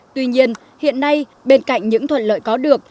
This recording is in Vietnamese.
tuy nhiên hiện nay bên cạnh những thuận lợi có được